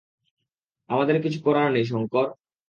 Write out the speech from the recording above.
আমাদের কিছু করার নেই, শঙ্কর।